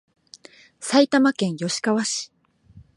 埼玉県吉川市